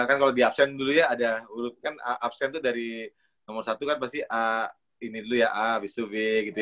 kan kalau di absen dulu ya ada kan absen tuh dari nomor satu kan pasti a ini dulu ya a habis itu b gitu ya